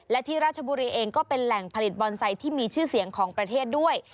และที่ราชบุรีเองก็เป็นแหล่งผลิตบอนไซต์ที่มีชื่อเสียงของประเทศด้วย